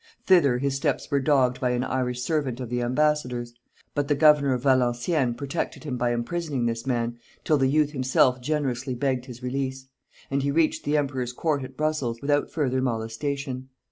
Thither his steps were dogged by an Irish servant of the embassador's; but the governor of Valenciennes protected him by imprisoning this man, till the youth himself generously begged his release; and he reached the emperor's court at Brussels, without further molestation.